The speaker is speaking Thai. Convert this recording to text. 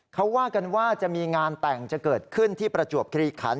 เขาว่ากันว่าจะมีงานแต่งจะเกิดขึ้นที่ประจวบคลีขัน